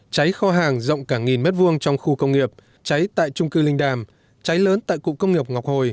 cháy kho hàng rộng cả nghìn mét vuông trong khu công nghiệp cháy tại trung cư linh đàm cháy lớn tại cụng công nghiệp ngọc hồi